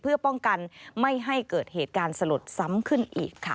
เพื่อป้องกันไม่ให้เกิดเหตุการณ์สลดซ้ำขึ้นอีกค่ะ